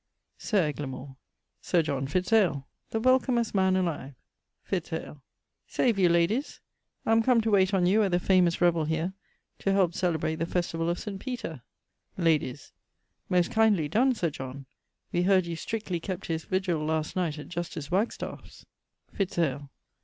Sir Eglamour. Sir John Fitz ale, the welcomest man alive. Fitz ale. Save you, ladies! I'm come to wayte on you at the famous revell here, to help celebrate the festivall of St. Peter. Ladyes. Most kindly donne, Sir John! We heard you strictly kept his virgil last night at Justice Wagstaff's. _Fitz ale.